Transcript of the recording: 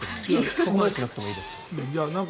そこまでしなくていいですか？